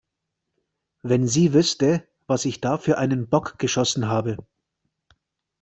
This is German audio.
Wenn sie wüsste, was ich da für einen Bock geschossen habe!